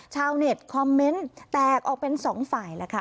ชาวเน็ตคอมเมนต์แตกออกเป็นสองฝ่ายแล้วค่ะ